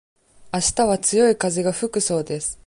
あしたは強い風が吹くそうです。